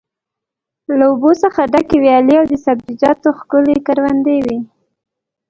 له اوبو څخه ډکې ویالې او د سبزیجاتو ښکلې کروندې وې.